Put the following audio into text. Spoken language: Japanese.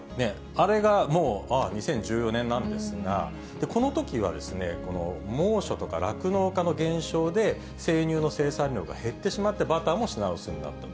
あれがもう、２０１４年なんですが、このときはですね、猛暑とか酪農家の減少で、生乳の生産量が減ってしまって、バターも品薄になると。